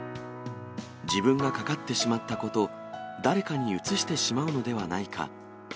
自分がかかってしまったこと、誰かにうつしてしまうのではないか。